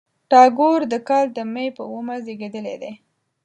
ټاګور د کال د مۍ په اوومه زېږېدلی دی.